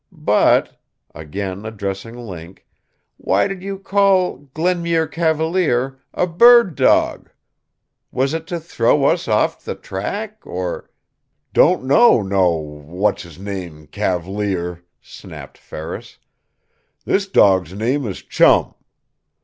But," again addressing Link, "why did you call 'Glenmuir Cavalier' a 'BIRD dog'? Was it to throw us off the track or " "Don't know no What's His Name Cav'lier!" snapped Ferris. "This dawg's name is Chum.